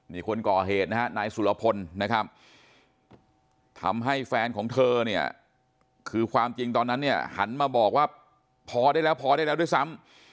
นี่คนก่อเหตุนะฮะนายสุรพลนะครับทำให้แฟนของเธอเนี่ยคือความจริงตอนนั้นเนี่ยหันมาบอกว่าพอได้แล้วพอได้แล้วด้วยซ้ำ